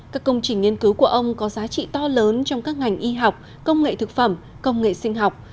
các công trình nghiên cứu của ông có giá trị to lớn trong các ngành y học công nghệ thực phẩm công nghệ sinh học